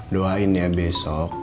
doain ya besok